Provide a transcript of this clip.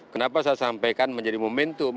kenapa saya sampaikan menjadi momentum